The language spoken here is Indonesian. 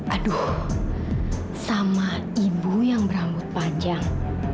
aduh sama ibu yang berambut panjang